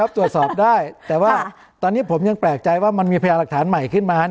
แต่ว่าตอนนี้ผมยังแปลกใจว่ามันมีพยานหลักฐานใหม่ขึ้นมา